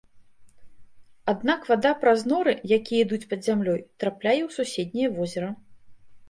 Аднак, вада праз норы, якія ідуць пад зямлёй, трапляе ў суседняе возера.